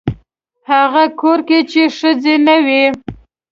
هغه کور کې چې ښځه نه وي.